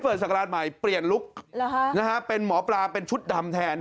ศักราชใหม่เปลี่ยนลุคเป็นหมอปลาเป็นชุดดำแทน